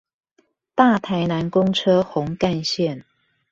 大台南公車紅幹線